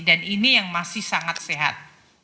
dan ini yang masih sangat sehat